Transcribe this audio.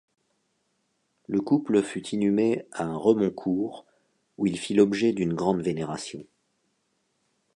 Le couple fut inhumé à Remoncourt où il fit l'objet d'une grande vénération.